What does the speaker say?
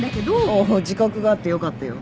おっ自覚があってよかったよ。